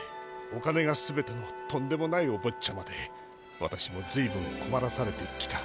お金が全てのとんでもないおぼっちゃまでわたしもずいぶんこまらされてきた。